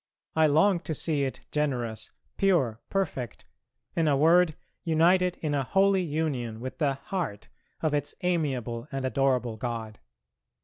I long to see it generous, pure, perfect, in a word united in a holy union with the Heart of its amiable and adorable God.